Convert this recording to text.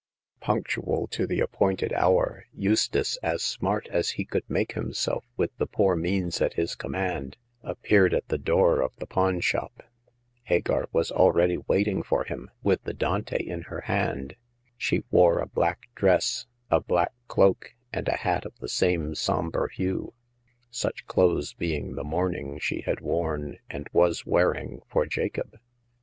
Punctual to the appointed hour, Eustace, as smart as he could make himself with the poor means at his command, appeared at the door of the pawn shop. Hagar was already waiting for The First Customer. S3 him, with the Dante in her hand. She wore a black dress, a black cloak, and a hat of the same somber hue— such clothes being the mourning she had worn, and was wearing, for Jacob.